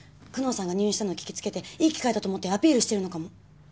久能さんが入院したの聞き付けていい機会だと思ってアピールしてるのかも。